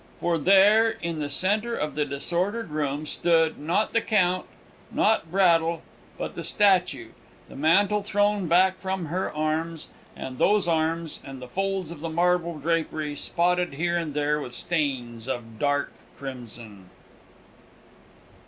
For there, in the centre of the disordered room, stood not the Count, not Braddle but the statue, the mantle thrown back from her arms, and those arms, and the folds of the marble drapery, spotted here and there with stains of dark crimson!